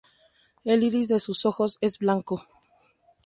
El iris de sus ojos es blanco.